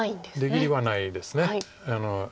出切りはないです。